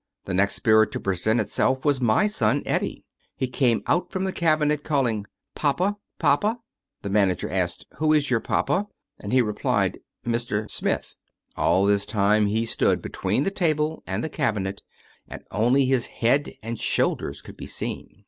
The next spirit to present itself was my son Eddie. He came out from the cabinet calling Papa, papa." The man ager asked "Who is your papa?" and he replied, "Mr. (Smith)." All this time he stCKxl between the table and the cabinet, and only his head and shoulders could be seen.